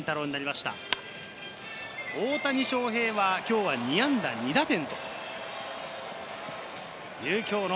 大谷翔平は今日は２安打２打点。